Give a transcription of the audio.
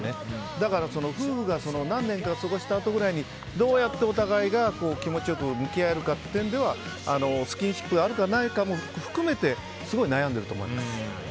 だから、夫婦が何年か過ごしたあとぐらいにどうやってお互いが気持ちよく向き合えるかという点ではスキンシップがあるかないかも含めてすごい悩んでると思います。